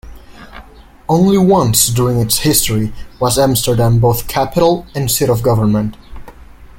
Only once during its history was Amsterdam both "capital" and seat of government.